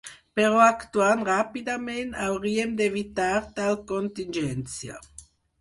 Però actuant ràpidament hauríem d'evitar tal contingència.